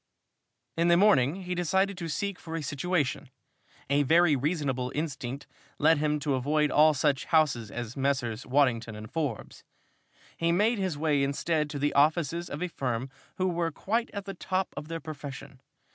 In the morning he decided to seek for a situation. A very reasonable instinct led him to avoid all such houses as Messrs. Waddington & Forbes. He made his way instead to the offices of a firm who were quite at the top of their profession.